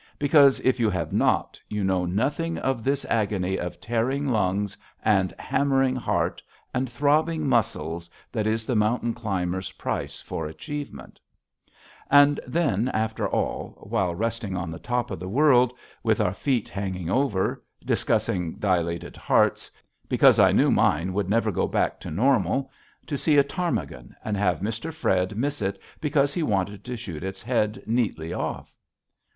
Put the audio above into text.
Because, if you have not, you know nothing of this agony of tearing lungs and hammering heart and throbbing muscles that is the mountain climber's price for achievement. [Illustration: COPYRIGHT BY L. D. LINDSLEY Looking southeast from Cloudy Pass] And then, after all, while resting on the top of the world with our feet hanging over, discussing dilated hearts, because I knew mine would never go back to normal, to see a ptarmigan, and have Mr. Fred miss it because he wanted to shoot its head neatly off!